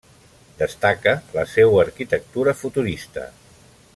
Destaca la seua arquitectura futurista.